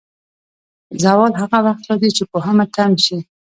زوال هغه وخت راځي، چې پوهه تم شي.